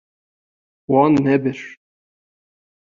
Wan nebir.